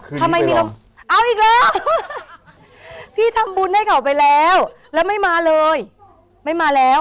ทำไมมีลงเอาอีกแล้วพี่ทำบุญให้เขาไปแล้วแล้วไม่มาเลยไม่มาแล้ว